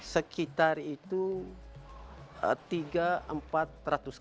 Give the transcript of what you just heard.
sekitar itu tiga empat ratus